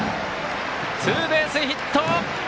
ツーベースヒット！